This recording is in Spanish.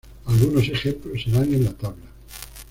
Algunos ejemplos se dan en la tabla.